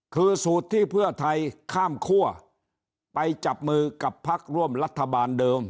คือสูตรที่เพื่อไทยข้ามคั่วไปจับมือกับพักร่วมรัฐบาลเดิม